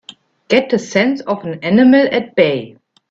Get the sense of an animal at bay!